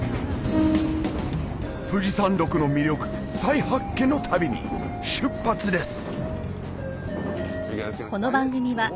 富士山麓の魅力再発見の旅に出発です